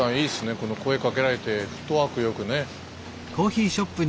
この声かけられてフットワークよくね。